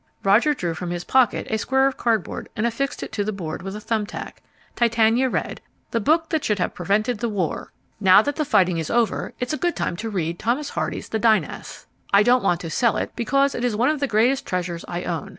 Roger drew from his pocket a square of cardboard and affixed it to the board with a thumbtack. Titania read: THE BOOK THAT SHOULD HAVE PREVENTED THE WAR Now that the fighting is over is a good time to read Thomas Hardy's The Dynasts. I don't want to sell it, because it is one of the greatest treasures I own.